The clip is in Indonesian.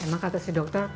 emang kata si dokter